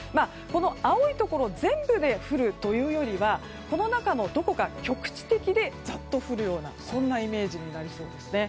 青いところ全部で降るというよりはこの中のどこか局地的にざっと降るようなそんなイメージになりそうです。